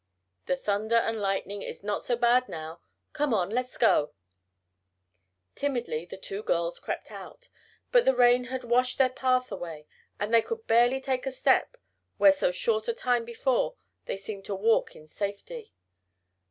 The thunder and lightning is not so bad now. Come on! Let's go!" Timidly the two girls crept out. But the rain had washed their path away and they could barely take a step where so short a time before they seemed to walk in safety.